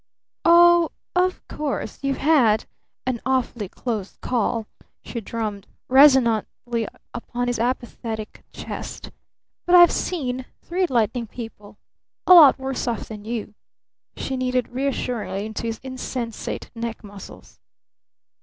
"Oh of course you've had an awfully close call!" she drummed resonantly upon his apathetic chest. "But I've seen three lightning people a lot worse off than you!" she kneaded reassuringly into his insensate neck muscles.